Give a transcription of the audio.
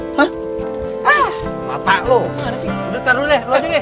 udah taruh dulu deh lu aja ke